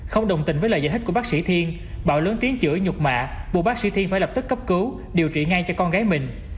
không đồng tình với lời giải thích của bác sĩ thiên bảo lớn tiếng chữa nhục mạ buộc bác sĩ thiên phải lập tức cấp cứu điều trị ngay cho con gái mình